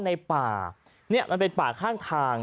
ในป่าเนี่ยมันเป็นป่าข้างทาง